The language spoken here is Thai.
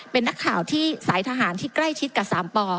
เป็นนักข่าวที่สายทหารที่ใกล้ชิดกับสามป